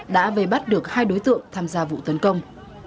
đã vây bắt được hai đối tượng tham gia vụ tấn công